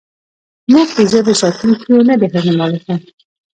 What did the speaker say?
موږ د ژبې ساتونکي یو نه د هغې مالکان.